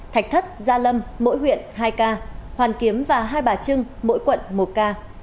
thạch thất gia lâm mỗi huyện hai ca hoàn kiếm và hai bà trưng mỗi quận một ca